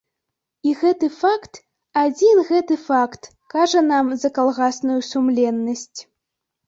І гэты факт, адзін гэты факт кажа нам за калгасную сумленнасць.